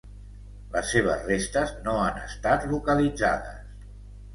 Les seves restes no han estat localitzades.